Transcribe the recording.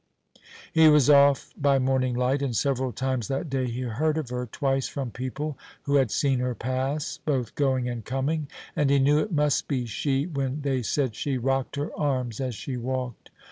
He was off by morning light, and several times that day he heard of her, twice from people who had seen her pass both going and coming, and he knew it must be she when they said she rocked her arms as she walked.